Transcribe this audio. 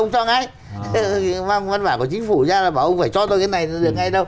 chứ mang văn bản ra là ông cho ngay